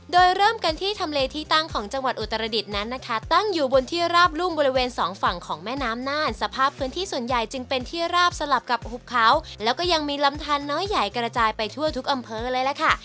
โดยเริ่มกันที่ทำเลที่ตั้งของจังหวัดอุตรดิษฐ์นั้นนะคะตั้งอยู่บนที่ราบรุ่มบริเวณสองฝั่งของแม่น้ำน่านสภาพพื้นที่ส่วนใหญ่จึงเป็นที่ราบสลับกับหุบเขาแล้วก็ยังมีลำทานน้อยใหญ่กระจายไปทั่วทุกอำเภอเลยล่ะค่ะ